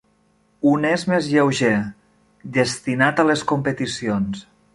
Un és més lleuger, destinat a les competicions.